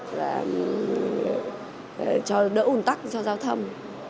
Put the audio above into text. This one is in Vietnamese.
và đỡ ủn tắc cho giao thông